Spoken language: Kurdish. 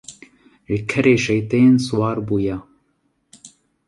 Li kerê şeytên siwar bûye.